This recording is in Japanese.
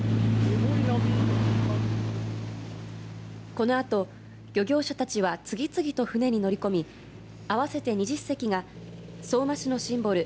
このあと、漁業者たちは次々と船に乗り込み合わせて２０隻が相馬市のシンボル